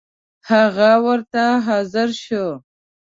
هغه ورته حاضر شو.